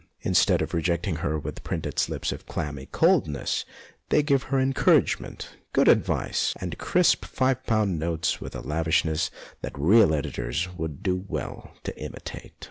Instead of rejecting her with printed slips of a clammy coldness, they give her encour agement, good advice, and crisp five pound notes with a lavishness that real editors would do well to imitate.